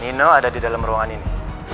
nino ada di dalam ruangan ini